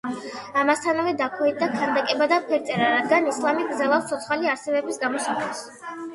ამასთანავე, დაქვეითდა ქანდაკება და ფერწერა, რადგან ისლამი კრძალავს ცოცხალი არსებების გამოსახვას.